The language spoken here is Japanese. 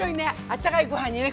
あったかいご飯にね